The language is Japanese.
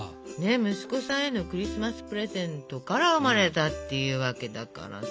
息子さんへのクリスマスプレゼントから生まれたっていうわけだからさ。